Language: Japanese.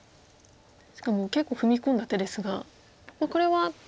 しかも結構踏み込んだ手ですがこれは。